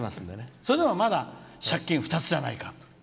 それでも、まだ借金２つじゃないか。